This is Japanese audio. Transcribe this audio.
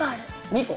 ２個。